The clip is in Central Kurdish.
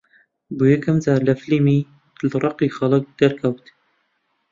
بۆ یەکەم جار لە فیلمی «دڵڕەقی خەڵک» دەرکەوت